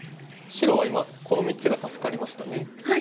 白は今この３つが助かりましたね。